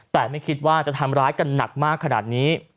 แต่ไม่คิดว่าจะทำร้ายกันหนักมากขนาดนี้